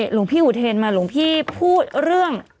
หลวงพี่อุเทนมาหลวงพี่พูดเรื่อง